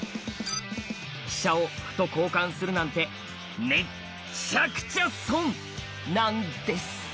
飛車を歩と交換するなんてめっちゃくちゃ損なんです。